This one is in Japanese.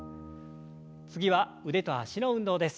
次は腕と脚の運動です。